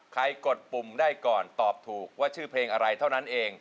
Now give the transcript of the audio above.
กดปุ่มได้ก่อนตอบถูกว่าชื่อเพลงอะไรเท่านั้นเอง